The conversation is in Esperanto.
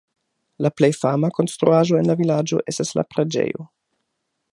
La plej fama konstruaĵo en la vilaĝo estas la preĝejo.